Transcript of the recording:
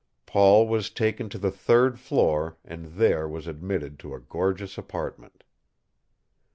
Paul was taken to the third floor and there was admitted to a gorgeous apartment.